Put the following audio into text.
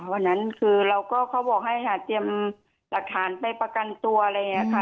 วันนั้นคือเราก็เขาบอกให้ค่ะเตรียมหลักฐานไปประกันตัวอะไรอย่างนี้ค่ะ